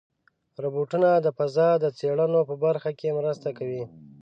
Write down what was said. روبوټونه د فضا د څېړنو په برخه کې مرسته کوي.